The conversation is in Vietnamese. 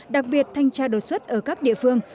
đặc biệt thanh tra đột xuất ở các địa phương